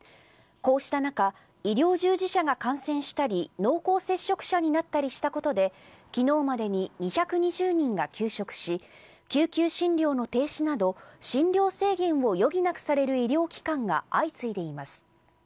こうした中医療従事者が感染したり濃厚接触者になったりしたことで昨日までに２２０人が休職し救急診療の停止など診療制限を余儀なくされる医療機関が相次いでいます。